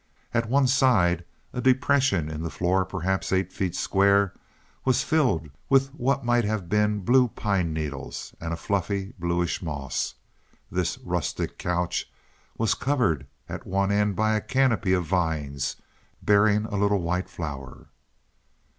At one side a depression in the floor perhaps eight feet square was filled with what might have been blue pine needles, and a fluffy bluish moss. This rustic couch was covered at one end by a canopy of vines bearing a little white flower.